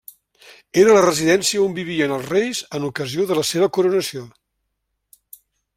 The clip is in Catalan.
Era la residència on vivien els reis en ocasió de la seva coronació.